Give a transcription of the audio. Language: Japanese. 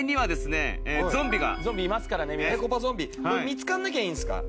見つからなきゃいいんですか？